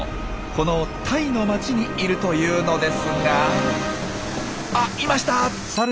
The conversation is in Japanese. このタイの町にいるというのですがあっいました！